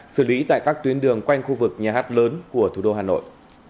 xử lý tại các tuyến đường quanh khu vực nhà hát lớn của thủ đô hà nội